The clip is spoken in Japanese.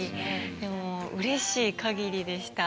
でもううれしいかぎりでした。